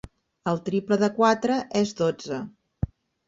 El triple de quatre és dotze.